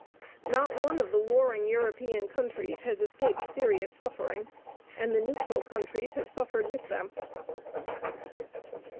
Not one of the warring European countries has escaped serious suffering, and the neutral countries have suffered with them.